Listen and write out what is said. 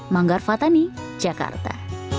manggar fatani jakarta